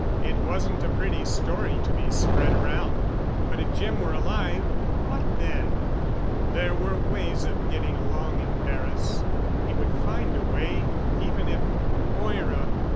It wasn't a pretty story to be spread around. But if Jim were alive ... what then? There were ways of getting along in Paris. He would find a way even if ... Moira!